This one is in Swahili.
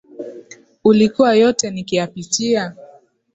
Ulikuwa yote nikiyapitia .